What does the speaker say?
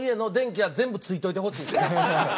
はい。